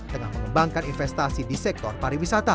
tengah mengembangkan investasi di sektor pariwisata